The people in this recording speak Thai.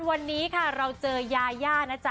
วันนี้ค่ะเราเจอยาย่านะจ๊